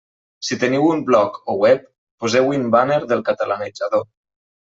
Si teniu un bloc o web, poseu-hi un bàner del Catalanitzador.